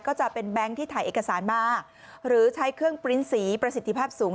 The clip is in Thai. ก็จะเป็นแบงค์ที่ถ่ายเอกสารมาหรือใช้เครื่องปริ้นต์สีประสิทธิภาพสูง